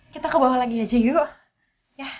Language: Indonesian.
kita kebawa lagi aja yuk